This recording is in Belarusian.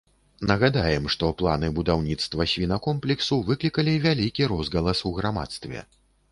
Нагадаем, што планы будаўніцтва свінакомплексу выклікалі вялікі розгалас у грамадстве.